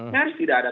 nyaris tidak ada